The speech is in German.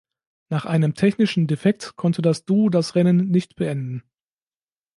Nach einem technischen Defekt konnte das Duo das Rennen nicht beenden.